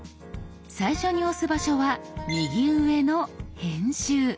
最初に押す場所は右上の「編集」。